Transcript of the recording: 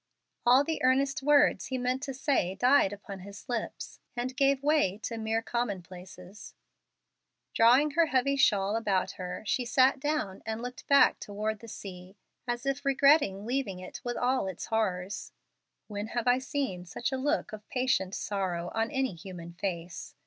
All the earnest words he meant to say died upon his lips, and gave way to mere commonplaces. Drawing her heavy shawl about her, she sat down and looked back toward the sea as if regretting leaving it with all its horrors. He thought, "When have I seen such a look of patient sorrow on any human face?